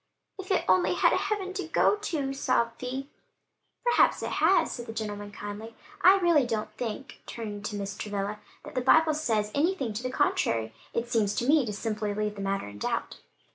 "If it only had a heaven to go to," sobbed Vi "Perhaps it has," said the gentleman kindly. "I really don't think," turning to Mrs. Travilla, "that the Bible says anything to the contrary; it seems to me to simply leave the matter in doubt."